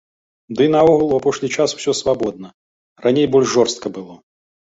Ды і наогул у апошні час усё свабодна, раней больш жорстка было.